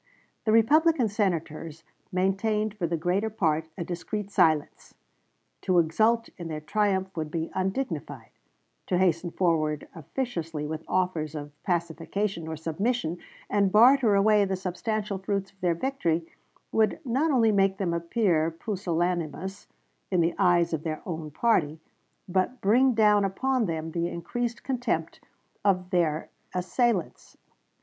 The Republican Senators maintained for the greater part a discreet silence. To exult in their triumph would be undignified; to hasten forward officiously with offers of pacification or submission, and barter away the substantial fruits of their victory, would not only make them appear pusillanimous in the eyes of their own party, but bring down upon them the increased contempt of their assailants.